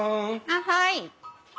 あっはい！